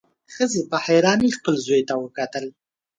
ښځې په حيرانۍ خپل زوی ته وکتل.